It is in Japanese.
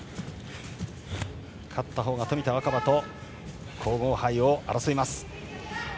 勝ったほうが冨田若春と皇后杯を争います。